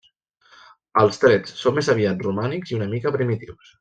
Els trets són més aviat romànics i una mica primitius.